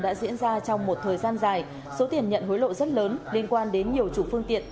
đã diễn ra trong một thời gian dài số tiền nhận hối lộ rất lớn liên quan đến nhiều chủ phương tiện